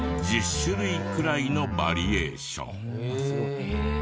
１０種類くらいのバリエーション。